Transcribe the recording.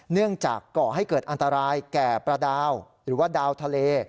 เนื่องจากก่อให้เกิดอันตรายแก่ประดาวหรือว่าดาวทะเล